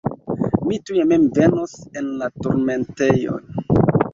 Mi tuj mem venos en la turmentejon.